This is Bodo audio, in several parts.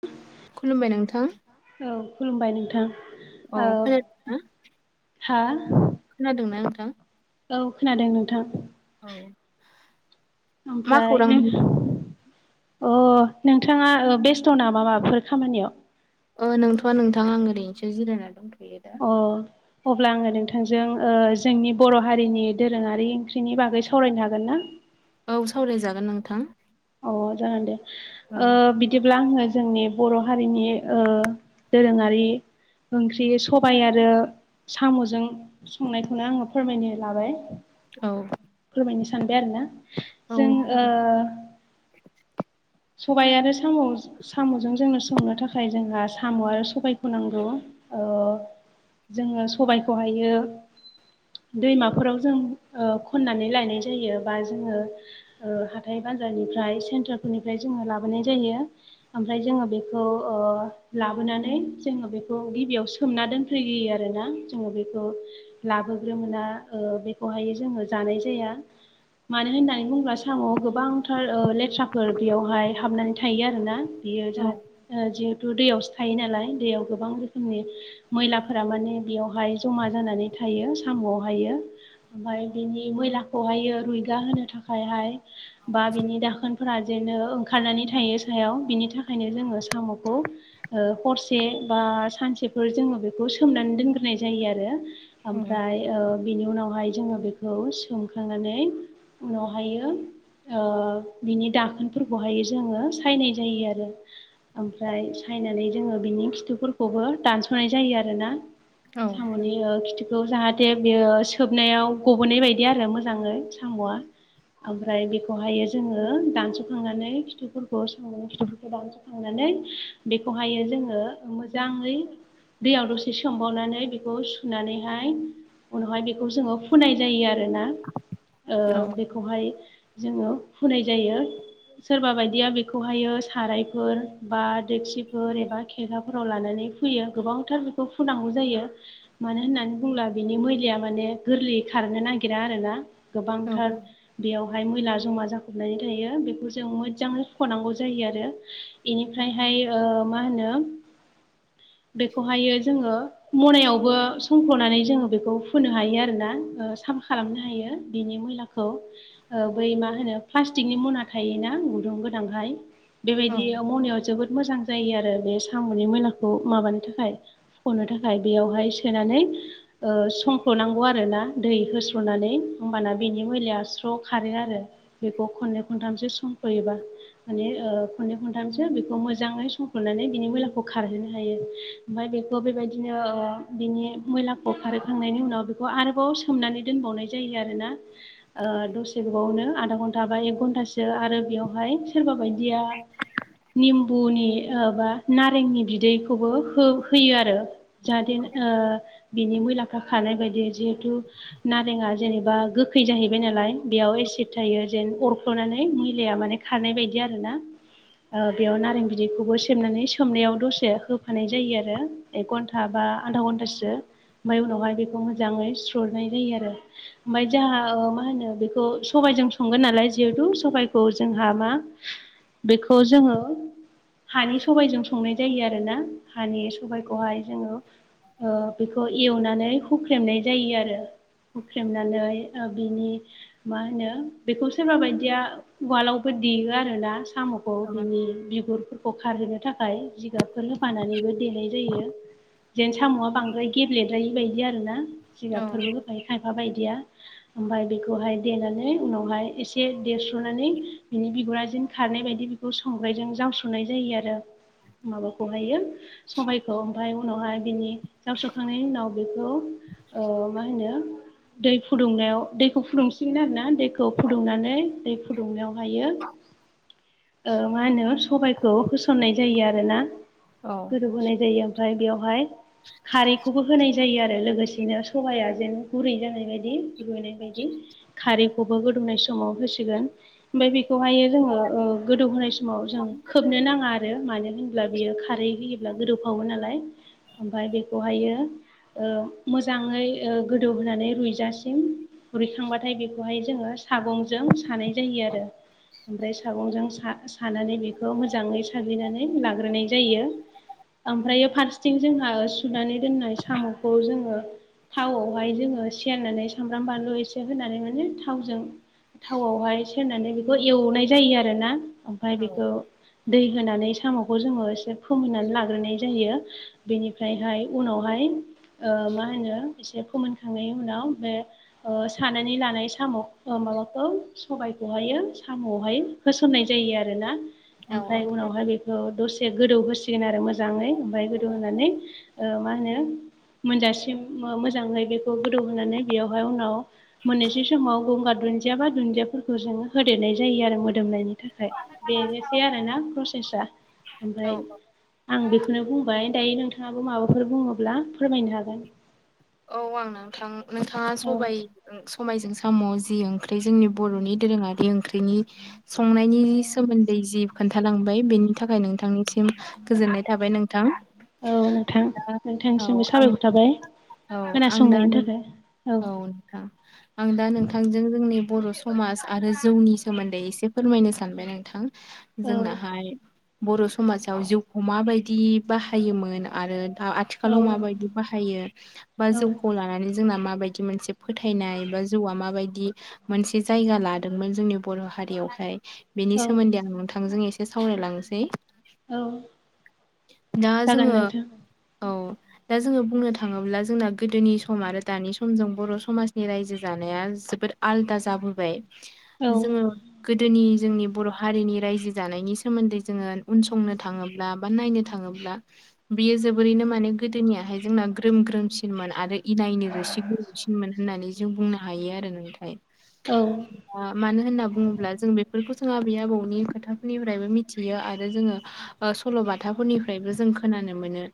ब खुलुमबाय नोंथां। औ खुलुमबाय नोंथां। ओ हा? खोनादोंना नोंथां? औ खोनादों नोंथां। औ मा खौरांमोन नोंथांनि? अ नोंथाङा बेस्थ' नामा माबाफोर खामानियाव? ओ नोंथ'आ नोंथां आं ओरैनोसो जिरायनानै दंथ'यो दा। अ। अब्ला आङो नोंथांजों ओ जोंनि बर' हारिनि दोरोङारि ओंख्रिनि बागै सावरायनो हागोन ना? औ सावराय जागोन नोंथां। अ जागोन दे। ओ बिदिब्ला आङो जोंनि बर' हारिनि ओ दोरोङारि ओंख्रि सबाय आरो साम'जों संनायखौनो आङो फोरमायनो लाबाय। औ। फोरमायनो सानबाय आरोना। जों ओ सबाय आरो साम' साम'जों जोंनो संनो थाखाय जोंहा साम' आरो सबायखौ नांगौ। ओ जोङो सबायखौहायो दैमाफोराव जों ओ खन्नानै लायनाय जायो बा जोङो ओ हाथाय बाजारनिफ्राय चेन्टारफोरनिफ्राय जोङो लाबोनाय जायो। ओमफ्राय जोङो बेखौ ओ लाबोनानै जोङो बेखौ गिबियाव सोमना दोनफैयो आरोना जोङो बेखौ लाबोग्रोमोना ओ बेखौहाय जोङो जानाय जाया। मानो होननानै बुंब्ला साम'आव गोबांथार ओ लेथ्राफोर बेयावहाय हाबनानै थायो आरोना बियो जाहा ओ जे दैयावसो थायो नालाय दैयाव गोबां रोखोमनि मैलाफोरा माने बेयावहाय जमा जानानै थायो साम'आवहायो। ओमफ्राय बिनि मैलाखौहायो रुइगा होनो थाखायहाय बा बिनि दाखोनफोरा बिदिनो ओंखारनानै थायो सायाव बिनि थाखायनो जोङो साम'खौ ओ हरसे बा सानसेफोर जोङो बेखौ सोमनानै दोनग्रोनाय जायो आरो। ओमफ्राय ओ बिनि उनावहाय जोङो बेखौ सोमखांनानै उनावहायो ओ बिनि दा खोनफोरखौहाय जोङो सायनाय जायो आरो। ओमफ्राय सायनानै जोङो बिनि खिथुफोरखौबो दानस'नाय जायो आरोना। साम' नि ओ खिथुखौ जाहाथे बेयो सोबनायाव गबोनाय बायदि आरो मोजाङै साम'आ। ओमफ्राय बेखौहायो जोङो दान्स नानै खिथुफोरखौ समनि खिथुफोरखौ दानसोखांनानै बेखौहायो जोङो मोजाङै दैयाव दसे सोमबावनानै बेखौ सुनानैहाय उनावहाय बेखौ जोङो फुनाय जायो आरोना ओ बेखौहाय जोङो फुनाय जायो सोरबा बायदिया बेखौहायो सारायफोर बा देक्सिफोर एबा खेरगाफोराव लानानै फुयो गोबांथार बेखौ फुनांगौ जायो मानो होननानै बुंला बिनि मैलाया माने गोरलैयै खारनो नागिरा आरोना गोबांथार बेयावहाय मैला जमा जाखबनानै थायो बेखौ जों मोजाङै हुखनांगौ जायो आरो एनिफ्रायहाय ओ मा होनो बेखौहायो जोङो मनायावबो सं खनानै जोङो बेखौ फोननो हायो आरोना साफ खालामनो हायो बिनि मैलाखौ ओ बै मा होनो प्लास्टिकनि मना थायोना गुदुं गोनांहाय बेबायदिया मावनायाव जोबोद मोजां जायो आरो बे सामनि मैलाखौ माबानो थाखाय फुखनो थाखाय बेयावहाय सोनानै ओ संख्लनांगौ आरोना दै होस्रनानै होमबाना बेनि मैलाया स्र खारो आरो बेखौ खननै खनथामसो संख्लयोबा माने ओ खननै खनथामसो बेखौ मोजाङै संफोरनानै बिनि मैलाखौ खारहोनो हायो ओमफ्राय बेखौ बेबायदिनो ओ बिनि मैलाखौ खारहोखांनायनि उनाव बेखौ आरोबाव सो नानै दोनबाव जायो आरोना ओ दसे गोबावनो आदा घन्टा बा एक घन्टा आरो बेयावहाय सोरबा बायदिया निमबुनि ओ बा नारेंनि बिदैखौबो हो होयो आरो जाहाथे ओ बिनि मैला खारनाय बायदि जिहेथु नारेंआ जेनेबा गोखै जाहैबाय नालाय बेयाव एसिद थायो जेन अर नानै निलाया माने खारनाय बायदि आरो ना ओ बेयाव नारें बिदैखौबो सेबनानै सोमनायाव दसे होफानाय जायो आरो एक घन्टा बा आधा घन्टासो ओमफ्राय उनावहाय बेखौ मोजाङै सुहरनाय जायो आरो ओमफ्राय जोंहा ओ मा होनो बेखौ सबायजों संगोन नालाय जिहेथु सबायखौ जोंहा मा बेखौ जोङो हानि सबायजों संनाय जायो आरोना हानि सबायाइखौहाय जोङो ओ बेखौ एवनानै हुख्रेमनाय जायो आरो हुख्रेमनानै ओ बिनि मा होनो बेखौ सोरबा बायदिया उवालावबो देयो आरोना सामखौ बिनि बिगुरफोर खारहोनो थाखाय जिगाबफोर होफानानैबो देनाय जायो जेन साम'आ बांद्राय गेब्लेद्रायि बायदि आरो ना। जिगाबफोरबो होफायो खायफा बायदिया ओमफ्राय बेखौहाय देनानै उनावहाय एसे देरस्र'नानै बिनि बिगुराजों खारनाय बायदि बेखौ संग्रायजों जावस्र'नाय जायो आरो। माबाखौहायो समायखौ ओमफफ्राय उनावहाय बिनि जावस्रोखांनायनि उनाव बेखौ मा होनो दै फुदुंनायाव दैखौ फुदुंसिगोन आरो ना दैखौ फुदुंनानै दै फुदुंनायावहायो मा होनो सबायखौ होसननाय जायो आरोना गोदोबहोनाय जायो। ओमफ्राय बेवहाय खारैखौबो होनाय जायो आरो लोगोसेनो सहाया जों गुरै जानाय बायदि रुइनाय बायदि खारिखौबो गोदौनाय समाव होसिगोन ओमफ्राय बेखौहायो जोङो गोदौ होनोनाय समाव जों खोबनो नाङा आरो मानो होन्ला बियो खारै होयो गोदौफावो नालाय ओमफफ्राय बेखौहायो मोजाङै गोदौ होनोनानै रुइजासिम रुरैखांबाथाय बेखौहाय जोङो सागंजों सानाय जायो आरो ओमफ्राय सागंजों सानानै बेखौ मोजाङै साग्लिनानै लाग्रोनाय जायो। आमफ्रायो फारसेथिं जोंहा सुनानै दोननाय साम'खौ जोङो थावआवहाय जोङो सेरनानै सामब्राम बानलु एसे होनानै माने थावजों थावआवहाय सेरनानै बेखौ एवनाय जायो आरो ना ओमफ्राय बेखौ दै होनानै साम'खौ जोङो से फोमोननानै लाग्रोनाय जायो। बेनिफ्रायहाय उनावहाय ओ मा होनो एसे फोमोनखांनायनि उनाव बे ओ सानानै लानाय साम' अ माबाखौ सबायखौहायो साम'आवहाय होसननाय जायो आरोना ओमफ्राय उनावहाय बे औ दसे गोदौ होसिगोन आरो मोजाङै ओमफ्राय गोदौ होनोनानै मा होनो मोनजासिम मो मोजाङै बेखौ गोदौ होनोनानै बेयावहाय उनाव मोननोसै समाव गंगार दुन्दिया बा दुन्दियाफोरखौ जोङो होदेरनाय जायो आरो मोदोमनायनि थाखाय बेनोसै आरो ना प्रसेसा ओमफ्राय आं बेखौनो बुंबाय दायो नोंथाङाबो माबाफोर बुङोब्ला फोरमायनो हागोन। औ आं नोंथां नोंथाङा सबाय सबायजों साम [unintelligible] जि ओंख्रि जोंनि बर'नि दोरोङारि ओंख्रिनि संनायनि सोमोन्दै जि खोन्थालांबाय बेनि थाखाय नोंथांनिसिम गोजोननाय थाबाय नोंथां। औ आं आं [unintelligible] नोंथां। आं दा नोंथांजों जोंनि बर' समाज आरो जौनि सोमोन्दै एसे फोरमायनो सानबाय नोंथां। जोंनाहाय बर' समाजाव जिउखौ माबायदि बाहायोमोन आरो दा थिखालाव माबायदि बाहायो? बा जौखौ लानानै जोंना माबायदि मोनसे फोथायनाय बा जौआ माबायदि मोनसे जायगा लादोंमोन जोंनि बर' हारियावहाय बेनि सोमोन्दै आं नोंथांजों एसे सावरायलांनोसै दा जोङो औ दा जोङो बुंनो थाङोब्ला जोंना गोदोनि सम आरो दानि समजों बर' समाजनि रायजो जानाया जोबोद आलादा जाबोबाय जोङो गोदोनि जोंनि बर' हारिनि रायजो जानायनि सोमोन्दै जोङो उनसंनो थाङोब्ला बा नायनो थाङोब्ला बियो जोबोरैनो माने गोदोनियाहाय जोंना ग्रोम ग्रोमसिनमोन आरो इनायनो रोसि ग्रोमसिनमोन होननानै जों बुंनो हायो आरो नोंथाय औ। ओ मानो होनना बुङोब्ला जों बेफोरखौ जों आबै आबौनि खोथाफोरनिफ्रायबो मिथियो आरो जोङो सल' बाथाफोरनिफ्रायबो जों खोनानो मोनो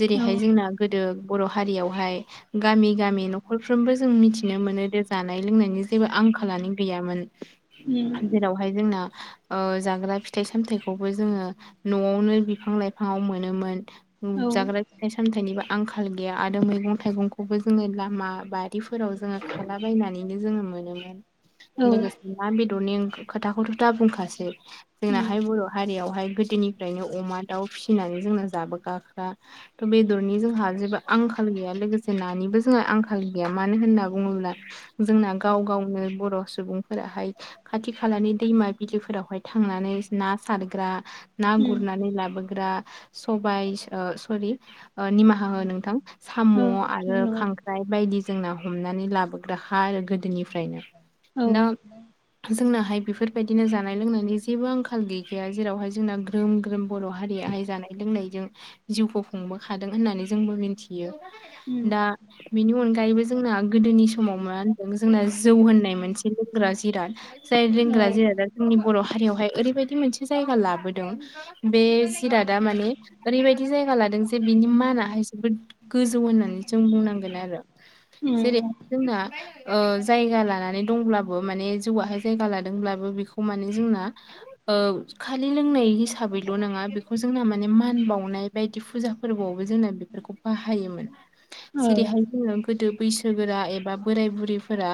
जेरैहाय जोंना गोदो बर' हारियावहाय गामि गामि न'खरफ्रोमबो जों मिथिनो मोनो जे जानाय लोंनायनि जेबो आंखालानो गैयामोन जेरावहाय जोंना ओ जाग्रा फिथाइ सामथाइखौबो जोङो न'आवनो बिफां लाइफाङाव मोनोमोन। जाग्रा फिथाइ सामथागनिबो आंखाल गैया आरो मैगं थाइगंख खौबो जोङो लामा बारिफोराव जोङो खालाबायनानैनो जोङो मोनोमोन लोगोसे अमा बेदरनि ओं खोथाखौथ' दा बुंखासै जोंनाहाय बर' हारियावहाय गोदोनिफ्रायनो अमा दाउ फिसिनानै जोंना जाबोगाखा बेदरनि जोंहा जेबो आंखाल गैया लोगोसे नानिबो जोंहा आंखाल गैया मानो होनना बुङोब्ला जोंना गाव गावनो बर' सुबुंफोराहाय खाथि खालानि दैमा बिलोफोरावहाय थांनानै ना सारग्रा ना गुरनानै लाबोग्रा सबाय ओ सरि ओ निमाहा हो नोंथां। साम' आरो खांख्राइ बायदि जोंना हमनानै लाबोग्राखा आरो गोदोनि फ्रायनो दा जोंनाहाय बेफोरबायदिनो जानाय लोंनायनि जेबो आंखाल गै गैया जेरावहाय जोंना ग्रोम ग्रोम बर' हारियाहाय जानाय लोंनायजों जिउखौ खुंबोखादों होननानै जोंबो मिथियो दा बेनि अनगायैबो जोंना गोदोनि समाव मा होनदों जोंना जौ होननाय मोनसे लोंग्रा जिराद जाय लोंग्रा जिरादा जोंनि बर' हारियावहाय ओरैबायदि मोनसे जायगा लाबोदों बे जिरादा माने ओरैबायदि जायगा लादों जे बिनि मानाहाय जोबोद गोजौ होननानै जों बुंनांगोन आरो। जेरैहाय जोंना ओ जायगा लानानै दंब्लाबो माने जौआहाय जायगा लादोंब्लाबो बेखौ माने जोंना ओ खालि लोंनाय हिसाबैल' नोङा बेखौ जोंना माने मान बावनाय बायदि फुजा फोरबोआवबो जोंना बेफोरखौ बाहायोमोन जेरैहाय जोङो गोदो बैसोगोरा एबा बोराय बुरिफोरा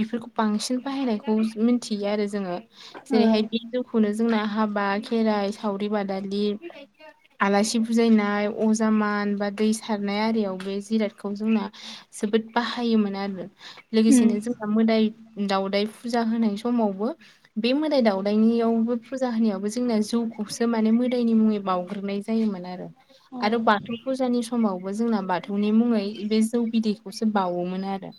बिफोरखौ बांसिन बाहायनायखौ मिन्थियो आरो जोङो। जेरैहाय बे जौखौनो जोंना हाबा, खेराइ, सावरि बादालि, आलासि बुजायनाय, अजा मान बा वनाय आरियाव बे जिरादखौ जोंना जोबोद बाहायोमोन आरो। लोगोसेनो जोंहा मोदाय दावदाय फुजा होनाय समावबो बे मोदाय दाउदायनियावबो फुजा होनायावबो जोंना जौखौसो माने मोदायनि मुङै बावग्रोनाय जायोमोन आरो। आरो बाथौ फुजानि समावबो जोंना बाथौनि मुङै बे जौ बिदैखौसो बावोमोन आरो।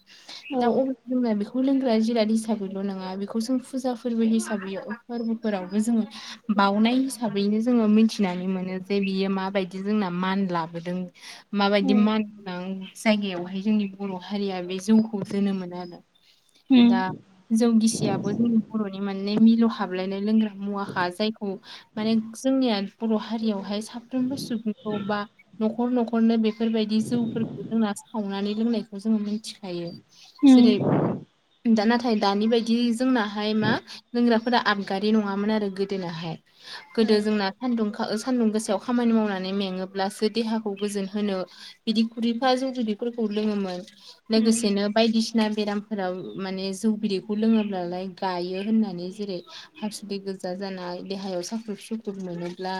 दा [unintelligible] जोंना बेखौ लोंग्रा जिराद हिसाबैल' नङा बेखौ जों फुजा फोरबो हिसाबैआव फोरबोफोरावबो जोङो बाउनाय हिसाबैनो जोङो मिथिनानै मोनो जे बियो माबायदि जोंना मान लाबोदों। माबायदि मान गोनां जायगायावहाय जोंनि बर' हारिया बे जौखौ दोनोमोनो आरो। दा जौ गिसियाबो जोंनि बर'नि माने मिलौ हाबलायनाय लोंग्रा मुवाखा जायखौ माने जोंनिया बर' हारियावहाय साफ्रोमबो सुबुंखौ बा न'खर न' खरनो बेफोरबायदि जौफोरखौ जोंना सावनानै लोंनायखौ जोङो मोनथिखायो। जेरै दा नाथाय दानि बायदि जोंनाहाय मा लोंग्राफोरा आबगारि नङामोन आरो गो दोनाहाय गोदो जोंना सानदुंखा ओ सान्दुं गोसायाव खामानि मावनानै मेङोब्लासो देहाखौ गोजोन होनो बिदि खुरैफा जौ बिदैफोरखौ लोङोमोन। लोगोसेनो बायदिसिना बेराम फोराव माने जौ बिदै खौ लोङोब्लालाय गायो होननानै जेरै हासुदै गोजा जानाय, देहायाव साख्रुब सु ख्रुब मोनोब्ला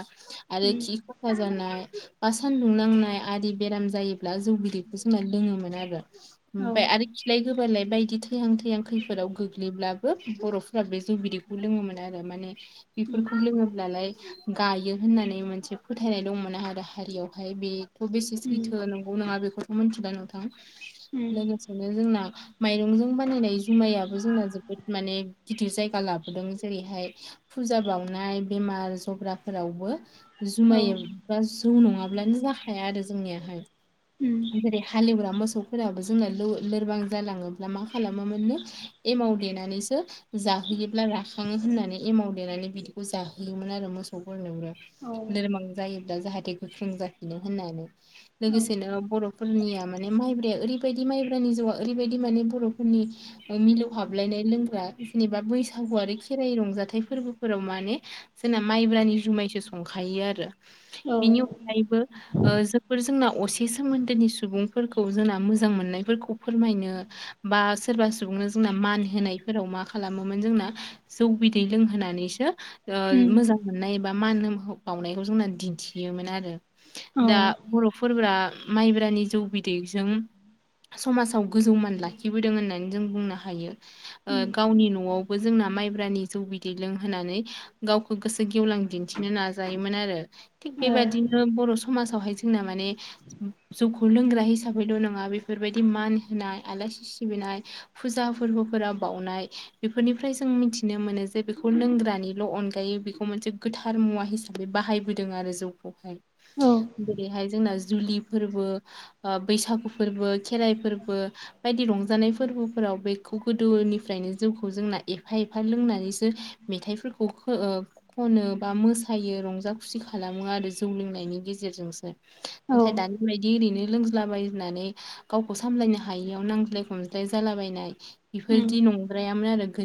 आरो खि खफा जानाय बा सान्दुं नांनाय बेराम जायोब्ला जौ बिदैखौसो माने लोङोमोन आरो। ओमफ्राय आरो खिलाय गोबालाय बायदि थैहां थैहां खैफोदाव गोग्लैब्लाबो बर'फोरा बे जौ बिदै लोंङोमोन आरो माने बेफोरखौ लोङोब्लालाय गायो होननानै मोनसे फोथायनाय दंमोन आं आरो हारियाव। ओमफाय बेथ' बेसे सैथो नंगौ नोङा बेखौथ' मिथिला नोंथां। लोगोसेनो जोंना माइरंजों बानायनाय जुमायाबो जोंना जोबोद माने गिदिर जायगा लाबोदों जेरैहाय फुजा बाउनाय बेमार जब्राफोरावबो जुमाय बा जौ नङाब्लानो जाखाया आरो जोंनियाहाय। जेरै हालेवग्रा मोसौ फोराबो जोंना लो-लोरबां जालाङोब्ला मा खालामोमोननो एमाव देनानैसो जाहोयोब्ला राखाङो होननानै एमाव देनानै बिदिखौ जाहोयोमोन आरो मोसौफोरनोबो। लोरबां जायोब्ला जाहाथे गोख्रों जाफिनो होननानै लोगोसेनो बर' फोरनिया माने माइब्राया ओरैबायदि माइब्रानि जौआ ओरैबायदि माने बर' फोरनि ओ मिलौहाबलायनाय लोंग्रा जेनेबा बैसागुआरि खेराइ रंजाथाइ फोरबोफोराव माने जोंना माइब्रानि जुमायसो संखायो आरो। बेनि अनगायैबो ओ जोबोर जोंना असे सोमोन्दोनि सुबुंफोरखौ जोंना मोजां मोननायफोरखौ फोरमायनो बा सोरबा सुबुंनो जोंना मान होनायफोराव मा खालामोमोन जोंना जौ बिदै लोंहोनानैसो ओ मोजां मोननाय बा मान होन बावनायखौ जोंना दिन्थियोमोन आरो दा बर'फोरा माइब्रानि जौ बिदैजों समाजाव गोजौमान लाखिबोदों होननानै जों बुंनो हायो ओ गावनि न'आवबो जोंना माइब्रानि जौ बि दै लोंहोनानै गावखौ गोसो गेवलां दिन्थिनो नाजायोमोन आरो थिग बेबायादिनो बर' समाजावहाय जोंना माने जौखौ लोंग्रा हिसाबैल' नङा बेफोरबायदि मान होनाय आलासि सिबिनाय फुजा फोरबोफोरा बाउनाय बेफोरनिफ्राय जों मिथिनो मोनो जे बेखौ लोंग्रानिल' अनगायै बेखौ मोनसे गोथार मुवा हिसाबै बे बाहायबोदों आरो जौखौहाय जेरैहाय जोंना जुलि फोरबो बैसागु फोरबो खेराइ फोरबो बायदि रंजानाय फोरबोफोराव बेखौ गोदोनिफ्रायनो जउखौ जोंना एफा एफा लोंनानैसो मेथाइफोरखौ ख ओ खनो बा मोसायो रंजा खुसि खालामो आरो जौ लोंनायनि गेजेरजों गेजेरजोंसो नाथाय दानि बायदि ओरैनो लोंज्लाबाय होननानै गावखौ सामलायनो हायियाव नांज्लाय खमज्लाय जालाबायनाय बेफोरदि नंज्रायामोन आरो गो